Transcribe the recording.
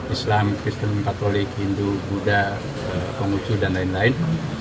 islam kristen katolik hindu buddha kongucu dan lain lain